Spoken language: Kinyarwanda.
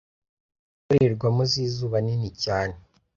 Indorerwamo zizuba nini cyane.